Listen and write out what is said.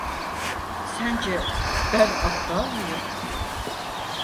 Sence ben aptal mıyım?